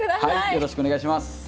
よろしくお願いします。